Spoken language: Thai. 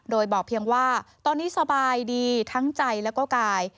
โดยบอกเพียงว่าตอนนี้สบายดีทั้งใจแล้วก็กาย